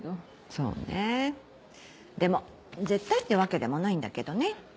そうねぇでも絶対ってわけでもないんだけどね。